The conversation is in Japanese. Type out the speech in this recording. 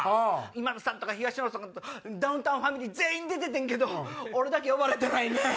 今田さんとか東野さんとかダウンタウンファミリー全員出ててんけど俺だけ呼ばれてないねん。